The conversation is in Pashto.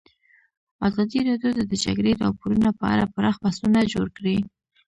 ازادي راډیو د د جګړې راپورونه په اړه پراخ بحثونه جوړ کړي.